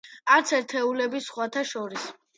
არც ერთეულები სხვათა შორის.